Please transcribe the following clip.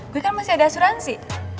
gue kan masih ada asuransi